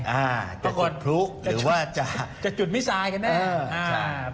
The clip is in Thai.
อ่าจะจุดพลุหรือว่าจะจะจุดมิสายกันนะอ่าใช่ครับ